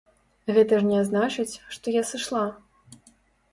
Гэта ж не значыць, што я сышла.